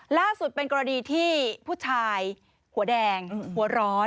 ล่าสุดเป็นกรณีที่ผู้ชายหัวแดงหัวร้อน